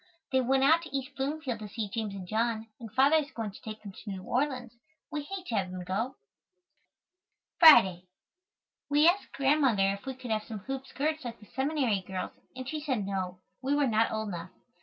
They went out to East Bloomfield to see James and John, and father is going to take them to New Orleans. We hate to have them go. Friday. We asked Grandmother if we could have some hoop skirts like the seminary girls and she said no, we were not old enough.